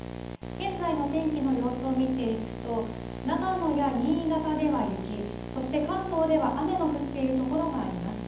現在の天気の様子を見ていくと、長野や新潟では雪、そして関東では雨の降っている所があります。